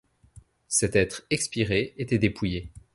Cet être expiré était dépouillé.